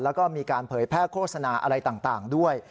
แล้วก็มีการเผยแพร่โฆษณาอะไรต่างด้วย